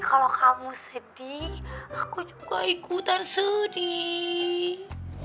kalau kamu sedih aku juga ikutan sedih